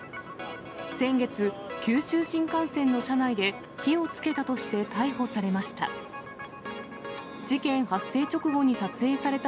先月、九州新幹線の車内で火をつけたとして逮捕されました。